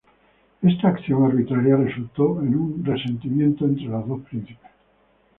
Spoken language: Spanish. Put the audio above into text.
Esta acción arbitraria resultó en un resentimiento entre los dos príncipes.